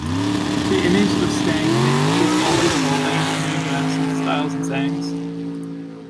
This image of staying hip is always evolving with new dress styles and sayings.